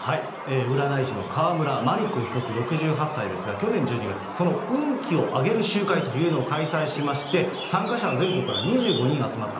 占い師の川村麻理子被告６８歳ですが、去年１２月、その運気を上げる集会というのを開催しまして、参加者は全国で２５人集まった。